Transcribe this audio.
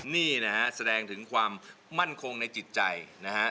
นี่นะฮะแสดงถึงความมั่นคงในจิตใจนะฮะ